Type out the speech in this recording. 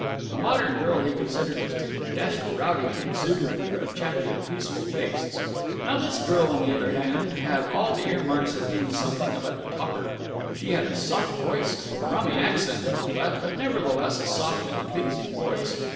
The modern girl, he considered, was too dashed rowdy and exuberant for a chappie of peaceful tastes. Now, this girl, on the other hand, had all the earmarks of being something of a topper. She had a soft voice. Rummy accent and all that, but nevertheless a soft and pleasing voice.